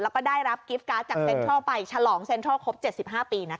แล้วก็ได้รับกิฟต์การ์ดจากเซ็นทรัลไปฉลองเซ็นทรัลครบ๗๕ปีนะคะ